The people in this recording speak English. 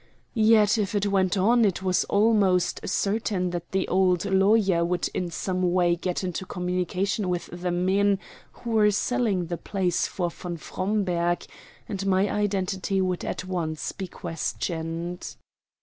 Yet if it went on it was almost certain that the old lawyer would in some way get into communication with the men who were selling the place for von Fromberg, and my identity would at once be questioned.